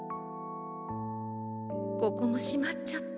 ここもしまっちゃった。